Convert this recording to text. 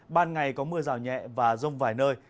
ban ngày có mưa rào nhẹ và rông vài nơi